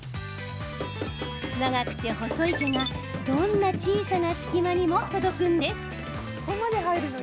長くて細い毛がどんな小さな隙間にも届くんです。